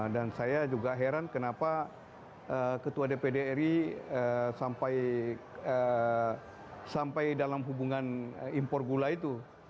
dan saya juga heran kenapa ketua dpd ri sampai dalam hubungan impor gula itu